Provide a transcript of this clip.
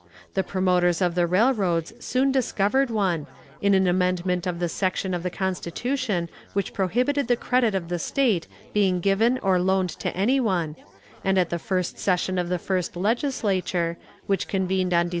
The promoters of the railroads soon discovered one, in an amendment of the section of the constitution which prohibited the credit of the state being given or loaned to anyone, and at the first session of the first legislature, which convened on Dec.